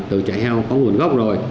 từ chạy heo có nguồn gốc